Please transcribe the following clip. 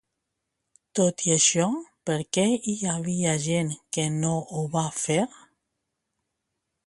Tot i això, per què hi havia gent que no ho va fer?